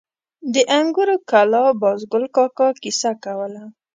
د انګورو کلا بازګل کاکا کیسه کوله.